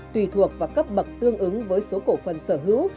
tùy thuộc và cấp bậc tương ứng với số cổ phần sở hữu